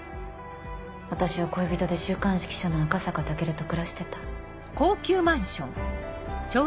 私は恋人で週刊誌記者の赤坂武尊と暮らしてた。